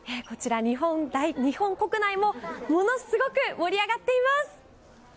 日本国内もものすごく盛り上がっています！